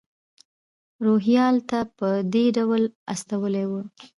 روهیال ته په دې ډول استولی و.